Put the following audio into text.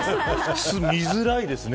見づらいですね。